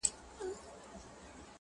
ډلي راغلې د افسرو درباریانو!.